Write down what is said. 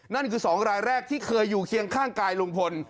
นั่นคือ๒รายแรกที่เคยอยู่เคียงข้างกายลุงพล